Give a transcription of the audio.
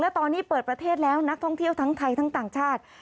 ตอนนี้เปิดประเทศแล้วนักท่องเที่ยวทั้งไทยทั้งต่างชาติ